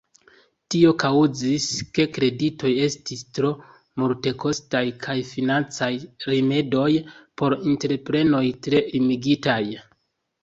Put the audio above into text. Tio kaŭzis, ke kreditoj estis tro multekostaj kaj financaj rimedoj por entreprenoj tre limigitaj.